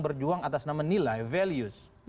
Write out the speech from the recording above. berjuang atas nama nilai values